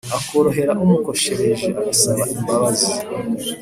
akorohera umukoshereje agasaba imbabazi